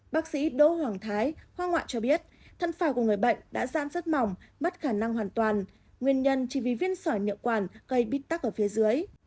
bác sĩ đỗ hoàng thái khoa ngoại cho biết thận phải của người bệnh đã dãn rất mỏng mất khả năng hoàn toàn nguyên nhân chỉ vì viên sỏi niệu quản gây bít tắc ở phía dưới